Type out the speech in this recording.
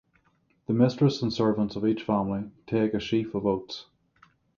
The mistress and servants of each family take a sheaf of oats.